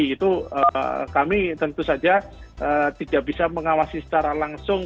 itu kami tentu saja tidak bisa mengawasi secara langsung